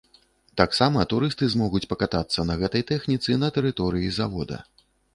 Таксама турысты змогуць пакатацца на гэтай тэхніцы на тэрыторыі завода.